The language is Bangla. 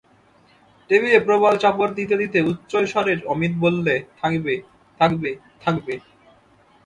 টেবিলে প্রবল চাপড় দিতে দিতে উচ্চৈঃস্বরে অমিত বললে, থাকবে, থাকবে থাকবে।